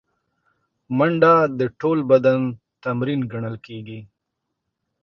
منډه د ټول بدن تمرین ګڼل کېږي